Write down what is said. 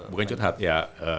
bukan curhat ya